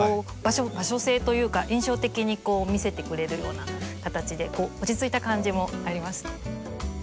場所性というか印象的に見せてくれるような形で落ち着いた感じもありますね。